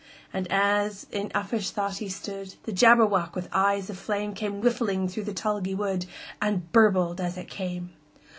And as in uffish thought he stood, The Jabberwock, with eyes of flame, Came whiffling through the tulgey wood, And burbled as it came!